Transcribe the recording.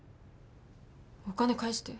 お金返して。